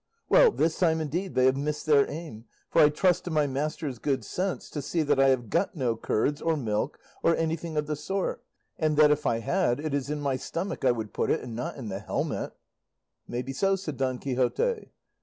Well, this time, indeed, they have missed their aim, for I trust to my master's good sense to see that I have got no curds or milk, or anything of the sort; and that if I had it is in my stomach I would put it and not in the helmet." "May be so," said Don Quixote.